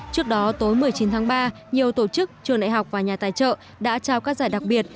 trước đó tối một mươi chín tháng ba nhiều tổ chức trường đại học và nhà tài trợ đã trao các giải đặc biệt